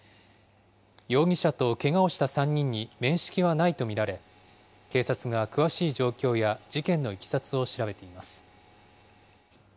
容疑者とけがをした３人に面識はないと見られ、警察が詳しい状況や事件のいきさつを調べています。